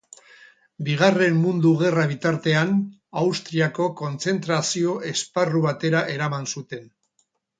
Bigarren Mundu Gerra bitartean, Austriako kontzentrazio-esparru batera eraman zuten.